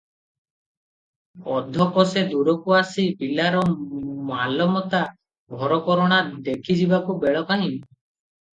ଅଧକୋଶେ ଦୂରକୁ ଆସି ପିଲାର ମାଲମତା, ଘରକରଣା ଦେଖିଯିବାକୁ ବେଳ କାହିଁ ।